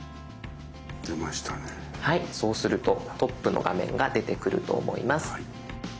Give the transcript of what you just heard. そうするとトップの画面が出てくると思います。